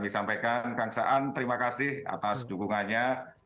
sampaikan kagetan terima kasih atas dukungannya